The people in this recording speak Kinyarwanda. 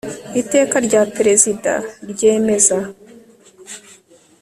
iteka rya perezida ryemeza